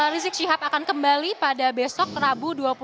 rizik syihab akan kembali pada besok rabu dua puluh